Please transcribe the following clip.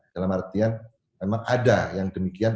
dalam artian memang ada yang demikian